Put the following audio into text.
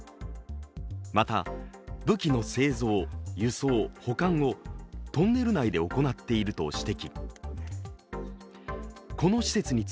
また武器の製造・輸送・保管をトンネル内で行っていると指摘。